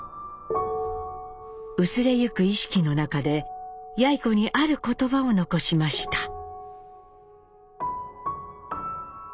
薄れゆく意識の中でやい子にある言葉を残しました。